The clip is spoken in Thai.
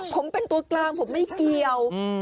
ผมเป็นตัวกลางผมไม่เกี่ยว